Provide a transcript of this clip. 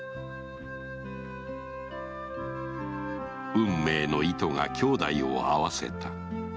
運命の糸が兄妹を会わせた。